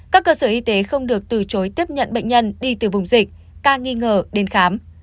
các cơ sở y tế không được từ chối tiếp nhận bệnh nhân đi từ vùng dịch ca nghi ngờ đến khám